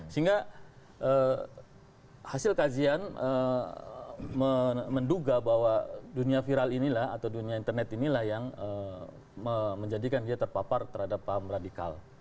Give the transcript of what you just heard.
sehingga hasil kajian menduga bahwa dunia viral inilah atau dunia internet inilah yang menjadikan dia terpapar terhadap paham radikal